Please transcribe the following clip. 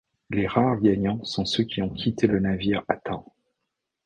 Les rares gagnants sont ceux qui ont quitté le navire à temps.